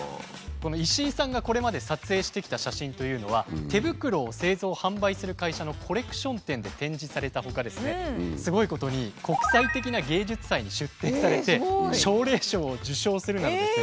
石井さんがこれまで撮影してきた写真というのは手袋を製造販売する会社のコレクション展で展示されたほかですねすごいことに国際的な芸術祭に出展されて奨励賞を受賞するなどですね